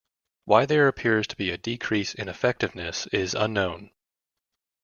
Why there appears to be a decrease in effectiveness is unknown.